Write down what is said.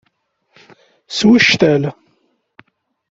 Swectel.